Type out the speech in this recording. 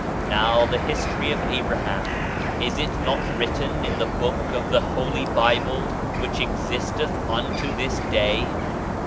Now the his tory of Abraham, is it not written in the Book of die holy Bible which existeth unto this day?